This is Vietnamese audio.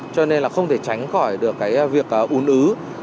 cho nên không thể tránh khỏi việc ồn ứ